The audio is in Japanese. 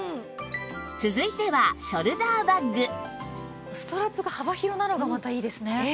続いてはストラップが幅広なのがまたいいですね。